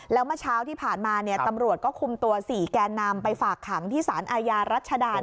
แล้วเมื่อเช้าที่ผ่านมาตำรวจก็คุมตัว๔แกนนำไปฝากขังที่สารอาญารัชดา